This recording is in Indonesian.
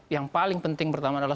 yang paling penting pertama adalah